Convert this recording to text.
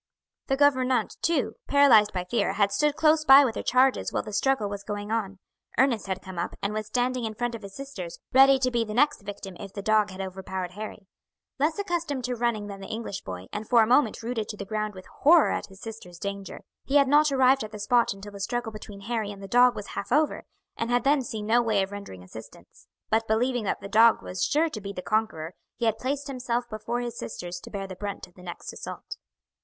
The gouvernante, too, paralysed by fear, had stood close by with her charges while the struggle was going on. Ernest had come up, and was standing in front of his sisters, ready to be the next victim if the dog had overpowered Harry. Less accustomed to running than the English boy, and for a moment rooted to the ground with horror at his sisters' danger, he had not arrived at the spot until the struggle between Harry and the dog was half over, and had then seen no way of rendering assistance; but believing that the dog was sure to be the conqueror, he had placed himself before his sisters to bear the brunt of the next assault.